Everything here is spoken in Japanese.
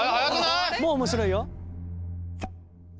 もう面白いよ。